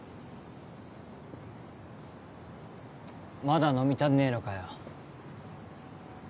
まだ飲み足んねえのかよ